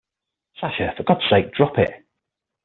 Sasha, for God's sake, drop it!